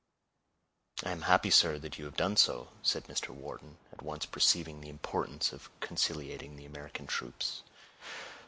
"I am happy, sir, that you have done so," said Mr. Wharton, at once perceiving the importance of conciliating the American troops.